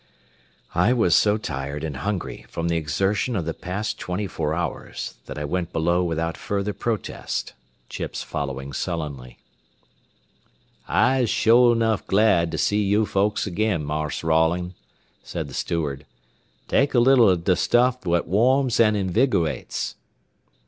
I was so tired and hungry from the exertions of the past twenty four hours that I went below without further protest, Chips following sullenly. "I'se sho nuff glad to see yo' folks agin, Marse Rolling," said the steward. "Take a little o' de stuff what warms an' inwigerates."